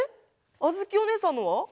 あづきおねえさんのは？